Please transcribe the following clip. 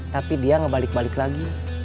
tapi dia ngebalik balik lagi